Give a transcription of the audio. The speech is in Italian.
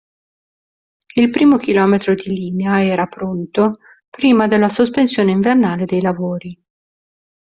Il primo chilometro di linea era pronto prima della sospensione invernale dei lavori.